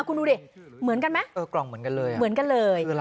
คุณดูดิเหมือนกันไหมเออกล่องเหมือนกันเลยเหมือนกันเลย